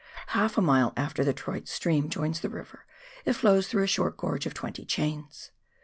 Half a mile after the Troyte stream joins the river, it flows through a short gorge of twenty chains.